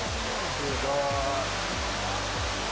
すごい！